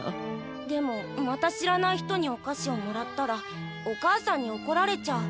でもまた知らない人にお菓子をもらったらお母さんにおこられちゃう。